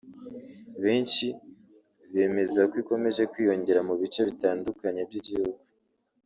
benshi bemeza ko ikomeje kwiyongera mu bice bitandukanye by’igihugu